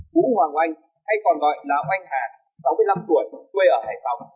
vũ hoàng oanh hay còn gọi là oanh hà sáu mươi năm tuổi quê ở hải phóng